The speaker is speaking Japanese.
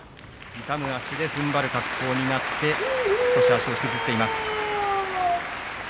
痛む足をふんばる格好になって少し足を引きずっています。